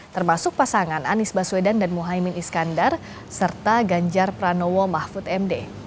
termasuk pasangan anies baswedan dan muhaymin iskandar serta ganjar pranowo mahfud md